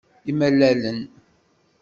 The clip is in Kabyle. Imalalen.